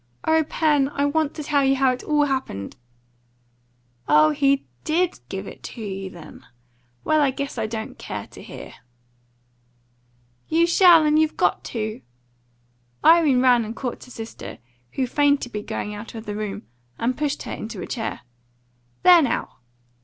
"O Pen, I want to tell you how it all happened." "Oh, he DID give it to you, then? Well, I guess I don't care to hear." "You shall, and you've got to!" Irene ran and caught her sister, who feigned to be going out of the room, and pushed her into a chair. "There, now!"